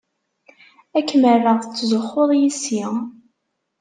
Ad kem-rreɣ tettzuxxuḍ yess-i.